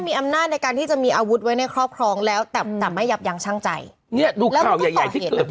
มีประเด็นที่ตอนนี้คนพูดถึงอย่างยาวคือ